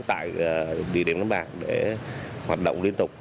tại địa điểm đánh bạc để hoạt động liên tục